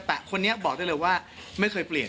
แต่คนนี้บอกได้เลยว่าไม่เคยเปลี่ยน